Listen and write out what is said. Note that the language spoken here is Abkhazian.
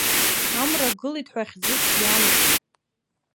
Амра гылеит ҳәа хьӡыс иамоуп.